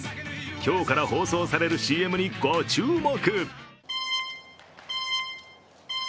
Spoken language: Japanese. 今日から放送されるＣＭにご注目。